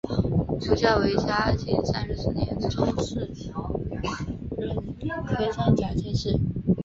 胡价为嘉靖三十四年中式壬戌科三甲进士。